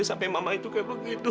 sampai mama itu kayak begitu